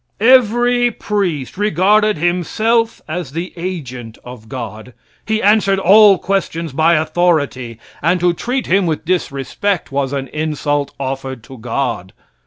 Every priest regarded himself as the agent of God. He answered all questions by authority, and to treat him with disrespect was an insult offered to God.